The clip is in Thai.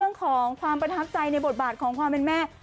เรื่องของความประทับใจในบทบาทของความเป็นแม่